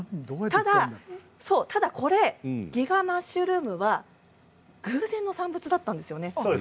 ただこれギガマッシュルームは偶然の産物だったんですよね。